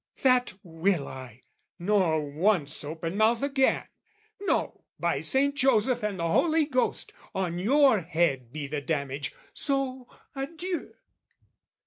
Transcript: " That will I, nor once open mouth again, "No, by Saint Joseph and the Holy Ghost! "On your head be the damage, so adieu!"